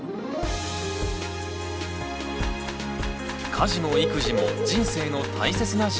家事も育児も人生の大切な時間。